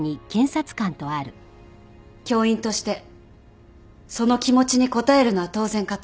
教員としてその気持ちに応えるのは当然かと。